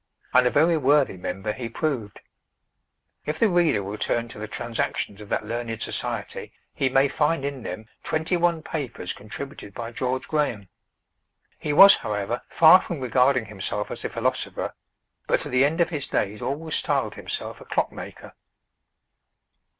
And a very worthy member he proved. If the reader will turn to the Transactions of that learned society, he may find in them twenty one papers contributed by George Graham. He was, however, far from regarding himself as a philosopher, but to the end of his days always styled himself a clock maker.